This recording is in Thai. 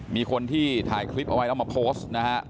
มีคนที่ถ่ายคลิปเอาไว้แล้วมาโพสต์นะฮะ